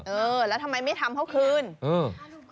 เออแล้วทำไมไม่ทำเขาคืนอืม